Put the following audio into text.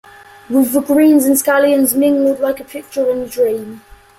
With the greens and scallions mingled like a picture in a dream.